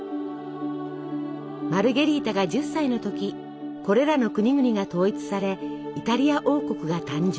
マルゲリータが１０歳の時これらの国々が統一されイタリア王国が誕生。